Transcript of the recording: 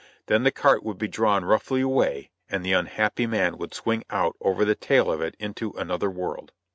Then it would be drawn roughly away and the unhappy man would swing out over the tail of it into another world.